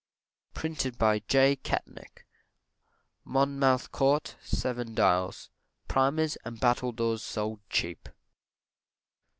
Printed by J. Catnach, Monmouth Court, 7 Dials. Primers and Battledores Sold Cheap.